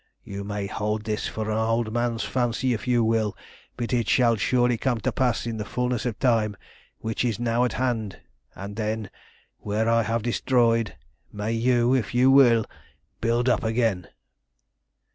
You may hold this for an old man's fancy if you will, but it shall surely come to pass in the fulness of time, which is now at hand; and then, where I have destroyed, may you, if you will, build up again!"